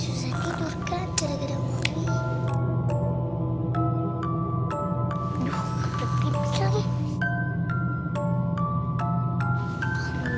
ya sudah aku akan pindah ke tempat itu